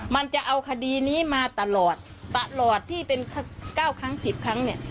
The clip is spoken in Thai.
มันจะเอาคดีนี้มาตลอดตลอดที่เป็น๙ครั้ง๑๐ครั้งเนี่ย